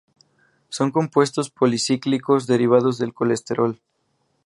Son compuestos policíclicos derivados del colesterol.